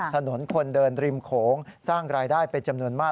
ถนนคนเดินริมโขงสร้างรายได้เป็นจำนวนมาก